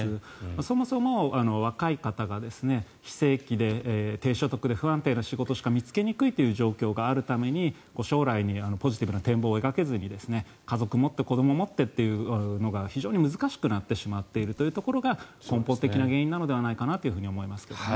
そもそも、若い方が非正規で低所得で不安定な仕事しか見つけにくいという状況があるために将来にポジティブな展望を描けずに家族持って子ども持ってというのが非常に難しくなってしまっているというところが根本的な原因だと思いますね。